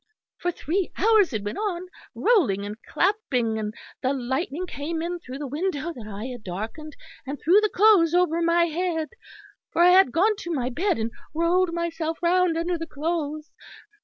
For three hours it went on, rolling and clapping, and the lightning came in through the window that I had darkened and through the clothes over my head; for I had gone to my bed and rolled myself round under the clothes.